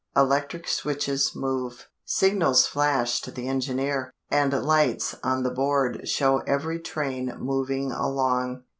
Electric switches move. Signals flash to the engineer, and lights on the board show every train moving along.